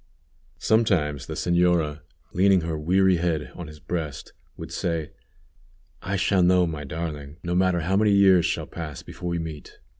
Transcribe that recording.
Sometimes the señora, leaning her weary head on his breast, would say: "I shall know my darling, no matter how many years shall pass before we meet."